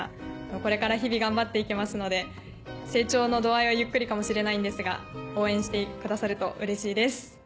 これから日々頑張っていきますので成長の度合いはゆっくりかもしれないんですが応援してくださるとうれしいです。